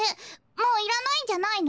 もういらないんじゃないの？